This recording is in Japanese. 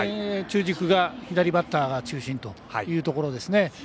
中軸が左バッターが中心というところですね。